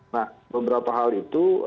nah beberapa hal itu